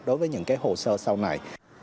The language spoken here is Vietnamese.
đối với những cái hồ sơ sau này